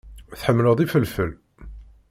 Tḥemmel ifelfel.